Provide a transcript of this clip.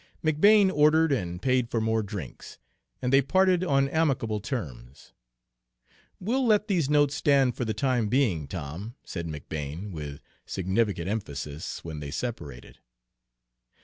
McBane ordered and paid for more drinks, and they parted on amicable terms. "We'll let these notes stand for the time being, Tom," said McBane, with significant emphasis, when they separated.